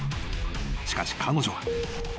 ［しかし彼女は］